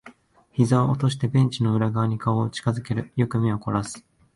膝を落としてベンチの裏側に顔を近づける。よく目を凝らす。